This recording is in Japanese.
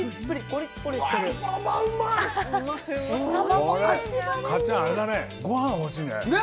これ、かっちゃん、あれだね、ごはんが欲しいね。